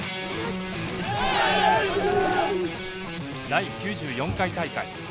第９４回大会。